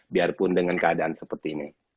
biarpun dengan keadaan seperti ini